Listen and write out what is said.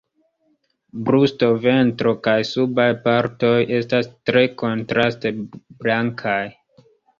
Brusto, ventro kaj subaj partoj estas tre kontraste blankaj.